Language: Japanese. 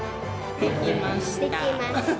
できました！